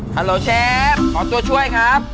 ฮัลโหลเชฟขอตัวช่วยครับ